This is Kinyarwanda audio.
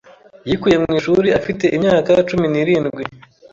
Yikuye mu ishuri afite imyaka cumi nirindwi